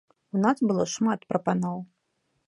У нас было шмат прапаноў.